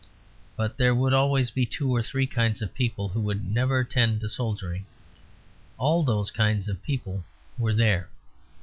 But there would always be two or three kinds of people who would never tend to soldiering; all those kinds of people were there.